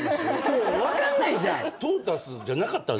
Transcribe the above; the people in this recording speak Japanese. そう分かんないじゃん！